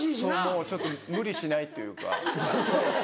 もうちょっと無理しないというかそう。